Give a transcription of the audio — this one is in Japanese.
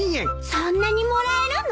そんなにもらえるの。